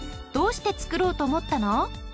どうしてつくろうと思ったの？